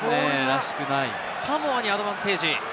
サモアにアドバンテージ。